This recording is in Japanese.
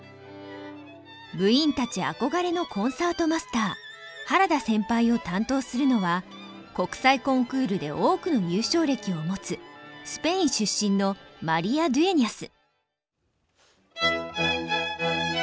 部員たち憧れのコンサートマスター原田先輩を担当するのは国際コンクールで多くの優勝歴を持つスペイン出身のマリア・ドゥエニャス。